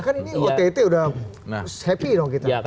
kan ini ytt sudah happy